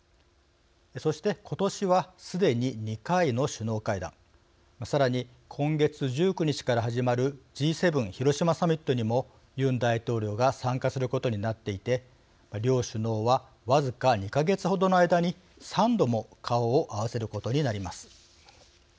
そして今年はすでに２回の首脳会談さらに今月１９日から始まるＧ７広島サミットにもユン大統領が参加することになっていて両首脳は僅か２か月ほどの間に３度も顔を合わせることになります。